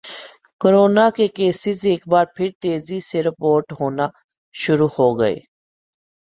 corona کے cases ایک بار پھر تیزی سے رپورٹ ہونا شروع ہوگئے